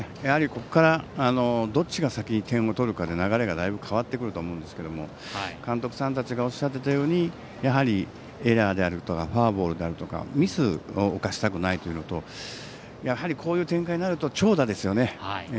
ここからどっちが先に点を取るかで流れがだいぶ変わってくると思うんですけれども監督さんたちがおっしゃっていたようにエラーであるとかフォアボールであるとかミスを犯したくないというとこういう展開になると長打ですよね。